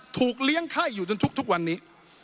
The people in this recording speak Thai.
เลี้ยงไข้อยู่จนทุกวันนี้